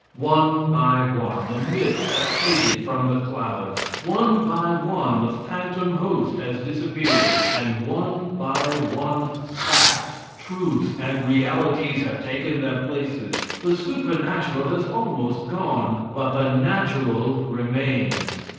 One by one, the myths have faded from the clouds; one by one, the phantom host has disappeared, and one by one facts, truths and realities have taken their places. The supernatural has almost gone, but the natural remains.